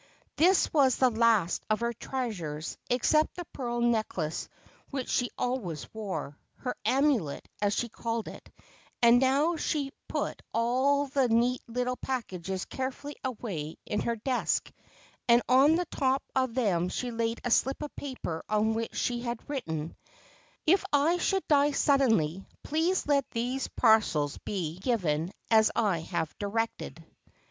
This was the last of her treasures, except the pearl necklace which she always wore — her amulet, as she called it — and now she put all the neat little packages carefully away in her desk, and on the top of them she laid a slip of paper on which she had written :' If I should die suddenly, please let these parcels be given as I have directed.'